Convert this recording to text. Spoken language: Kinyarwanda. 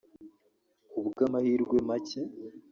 Ku bw’amahirwe make